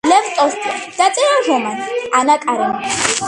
ლევ ტოლსტოიმ დაწერა რომანი ანა კარენინა